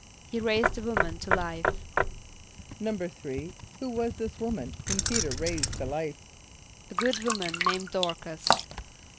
=He raised a woman to life.= =3.= Who was this woman whom P[=e]´t[~e]r raised to life? =A good woman named Dôr´cas.